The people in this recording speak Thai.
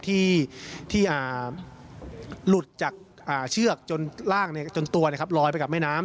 ที่หลุดจากเชือกจนรอยไปกับแม่น้ำ